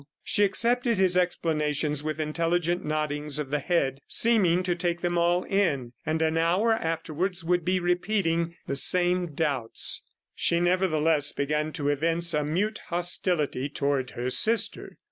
She accepted his explanations with intelligent noddings of the head, seeming to take them all in, and an hour afterwards would be repeating the same doubts. She, nevertheless, began to evince a mute hostility toward her sister.